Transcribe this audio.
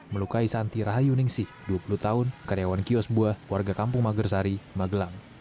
melukai santi rahayu ningsih dua puluh tahun karyawan kios buah warga kampung magersari magelang